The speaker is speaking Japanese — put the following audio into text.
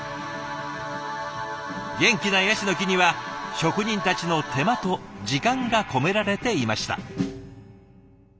元気なヤシの木には職人たちの手間と時間が込められていました。